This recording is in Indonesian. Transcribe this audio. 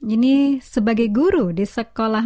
ini sebagai guru di sekolah